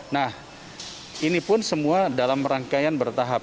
nah ini pun semua dalam rangkaian bertahap